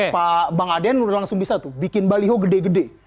pak bang aden udah langsung bisa tuh bikin baliho gede gede